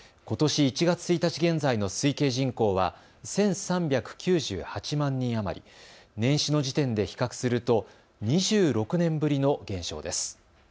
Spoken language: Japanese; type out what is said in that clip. ことし１月１日現在の推計人口は１３９８万人余り、年始の時点で比較すると２６年ぶりの減少です。